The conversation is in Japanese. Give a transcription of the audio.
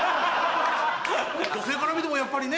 女性から見てもやっぱりね？